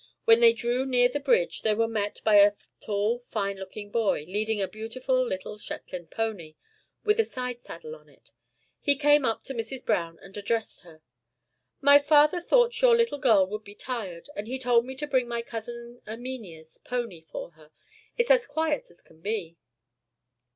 When they drew near the bridge, they were met by a tall, fine looking boy, leading a beautiful little Shetland pony, with a side saddle on it. He came up to Mrs. Browne, and addressed her. "My father thought your little girl would be tired, and he told me to bring my cousin Erminia's pony for her. It's as quiet as can be."